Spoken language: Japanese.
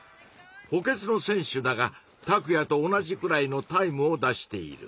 補欠の選手だがタクヤと同じくらいのタイムを出している。